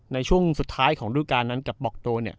ในช่วงสุดท้ายของรูปการณ์นั้นกับบอกโตเนี่ย